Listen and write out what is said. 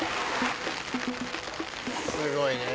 すごいね。